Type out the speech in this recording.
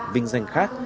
vinh danh khác